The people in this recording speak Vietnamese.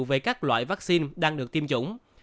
về các loại vaccine đang được tiêm chủng